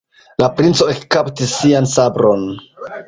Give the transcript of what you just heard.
La princo ekkaptis sian sabron.